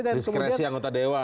diskresi anggota dewan